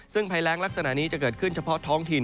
ซึ่งภัยแรงลักษณะนี้จะเกิดขึ้นเฉพาะท้องถิ่น